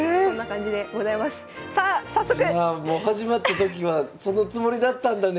じゃあもう始まった時はそのつもりだったんだね。